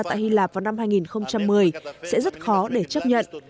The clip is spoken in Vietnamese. tại hy lạp vào năm hai nghìn một mươi sẽ rất khó để chấp nhận